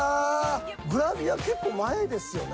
グラビア結構前ですよね？